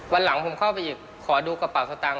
วันหลังผมเข้าไปหยิบขอดูกระเป๋าสตางค